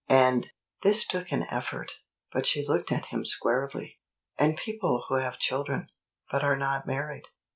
And" this took an effort, but she looked at him squarely "and people who have children, but are not married.